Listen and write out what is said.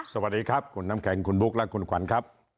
สวัสดีครับคุณน้ำแข็งคุณบุ๊คและคุณขวัญครับ